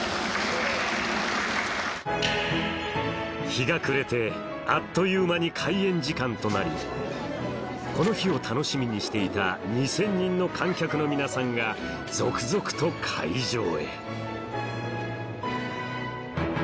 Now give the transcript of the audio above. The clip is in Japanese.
日が暮れてあっという間に開演時間となりこの日を楽しみにしていた２０００人の観客の皆さんが続々と会場へ